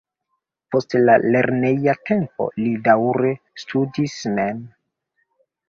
Post la lerneja tempo li daŭre studis mem.